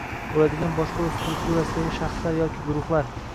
bo‘ladigan boshqaruv strukturasidagi shaxslar yoki guruhlar